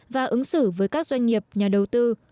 và ứng xử với các doanh nghiệp nhà đầu tư